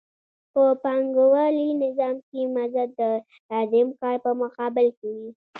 په پانګوالي نظام کې مزد د لازم کار په مقابل کې وي